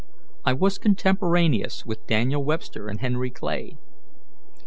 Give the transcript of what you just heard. I was contemporaneous with Daniel Webster and Henry Clay.